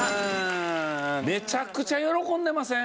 めちゃくちゃ喜んでません？